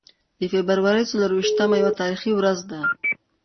د فبرورۍ څلور ویشتمه یوه تاریخي ورځ ده.